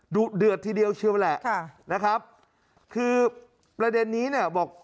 เดือดทีเดียวเชียวแหละค่ะนะครับคือประเด็นนี้เนี่ยบอก